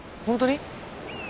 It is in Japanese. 本当に？